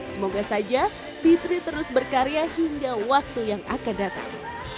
semoga saja b tiga terus berkarya hingga waktu yang akan datang